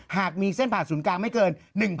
ถ้ามีเส้นผ่านสูงกลางไม่เกิน๒๐๑๕